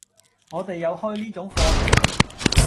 我哋有開呢種課程